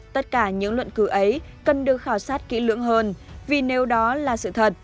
tất cả những luận cứ ấy cần được khảo sát kỹ lưỡng hơn vì nếu đó là sự thật